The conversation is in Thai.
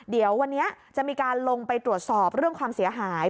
เดี๋ยววันนี้จะมีการลงไปตรวจสอบเรื่องความเสียหาย